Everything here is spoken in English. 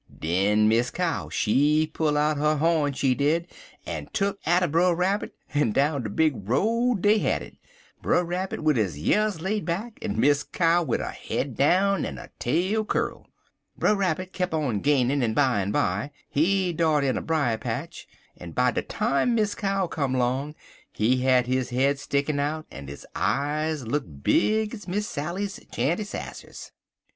"Den Miss Cow, she pull out 'er horn, she did, en tuck atter Brer Rabbit, en down de big road dey had it, Brer Rabbit wid his years laid back, en Miss Cow wid 'er head down en 'er tail curl. Brer Rabbit kep' on gainin', en bimeby he dart in a brier patch, en by de time Miss Cow come long he had his head stickin' out, en his eyes look big ez Miss Sally's chany sassers.